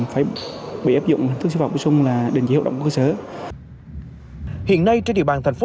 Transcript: phải bị áp dụng thức xử phạt bổ sung là định dị hợp động của cơ sở hiện nay trên địa bàn thành phố